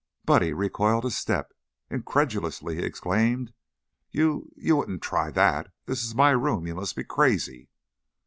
Buddy recoiled a step. Incredulously he exclaimed: "You you wouldn't try that! This is my room. You must be crazy."